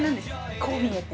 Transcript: こう見えて。